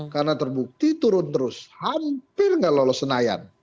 karena terbukti turun terus hampir nggak lolos senayan